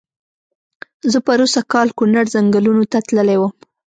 زه پرو سږ کال کونړ ځنګلونو ته تللی وم.